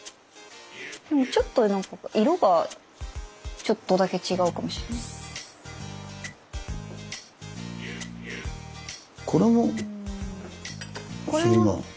でもちょっとなんか色がちょっとだけ違うかもしれない。